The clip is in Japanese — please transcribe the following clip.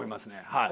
はい。